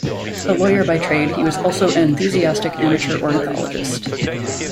A lawyer by trade, he was also an enthusiastic amateur ornithologist.